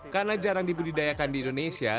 karena jarang dibudidayakan di indonesia